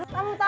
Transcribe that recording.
kamu tau apa